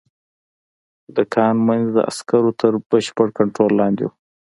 د کان منځ د عسکرو تر بشپړ کنترول لاندې و